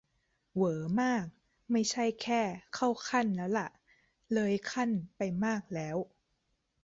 - เหวอมาก ไม่ใช่แค่ "เข้าขั้น" แล้วล่ะ "เลยขั้น" ไปมากแล้ว !